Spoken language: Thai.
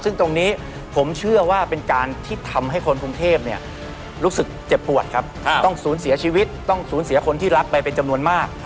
ซึ่งตรงนี้ผมเชื่อว่าเป็นการที่ทำให้คนกรุงเทพรู้สึกเจ็บปวดครับต้องสูญเสียชีวิตต้องสูญเสียคนที่รักไปเป็นจำนวนมาก